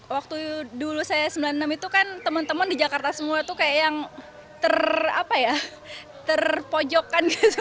waktu dulu saya sembilan puluh enam itu kan temen temen di jakarta semua tuh kayak yang ter apa ya terpojokan gitu